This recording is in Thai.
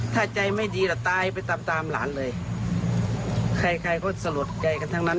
ถ้าใจไม่ดีล่ะตายไปตามตามหลานเลยใครใครก็สลดใจกันทั้งนั้น